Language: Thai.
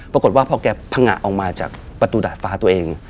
ปรากฏว่าพอแกพังงะออกมาจากประตูดาดฟ้าตัวเอง